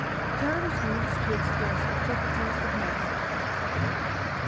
Terms used to express the Properties of Medicines.